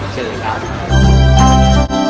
ใช่ไหม